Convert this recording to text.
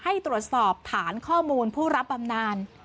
ให้ตรวจสอบฐานข้อมูลผู้รับบำนาน